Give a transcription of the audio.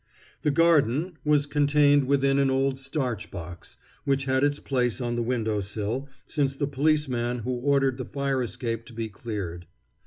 The "garden" was contained within an old starch box, which had its place on the window sill since the policeman had ordered the fire escape to be cleared.